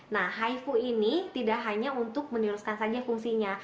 nah hifu ini tidak hanya untuk meneruskan saja fungsinya